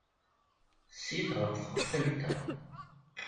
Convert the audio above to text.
Sit ɣef tqeffalt-a.